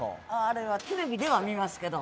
あれはテレビでは見ますけど。